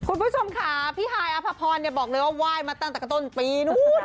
คุณผู้ชมค่ะพี่ฮายอภพรบอกเลยว่าไหว้มาตั้งแต่ต้นปีนู้น